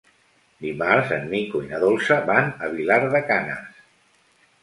Dimarts en Nico i na Dolça van a Vilar de Canes.